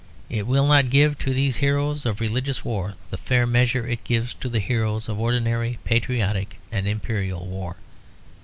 It will not give to these heroes of religious war the fair measure it gives to the heroes of ordinary patriotic and imperial war.